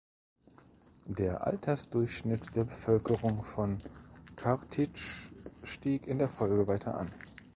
Der Altersdurchschnitt der Bevölkerung von Kartitsch stieg in der Folge weiter an.